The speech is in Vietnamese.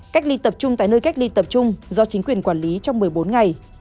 cách ly tập trung tại nơi cách ly tập trung do chính quyền quản lý trong một mươi bốn ngày